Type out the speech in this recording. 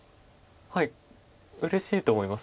はいうれしいと思います。